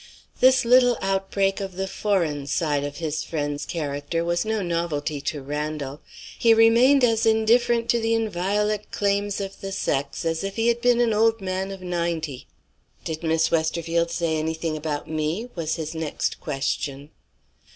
This little outbreak of the foreign side of his friend's character was no novelty to Randal. He remained as indifferent to the inviolate claims of the sex as if he had been an old man of ninety. "Did Miss Westerfield say anything about me?" was his next question.